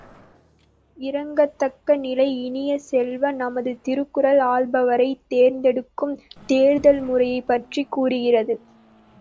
இரங்கத்தக்க நிலை, இனிய செல்வ, நமது திருக்குறள் ஆள்பவரைத் தேர்ந்தெடுக்கும் தேர்தல் முறையைப் பற்றிக் கூறுகிறது.